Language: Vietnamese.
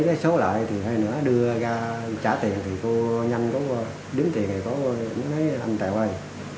vé số lợi thì hay nữa đưa ra trả tiền thì cô nhanh có điếm tiền thì cô nói anh tèo ơi